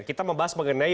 kita membahas mengenai